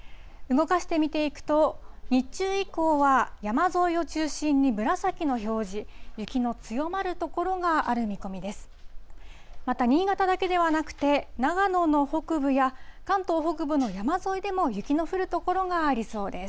動かして見ていくと、日中以降は、山沿いを中心に紫の表示、雪の強まる所がある見込みです。